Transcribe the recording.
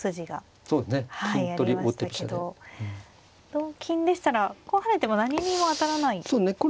同金でしたらこう跳ねても何にも当たらないですもんね。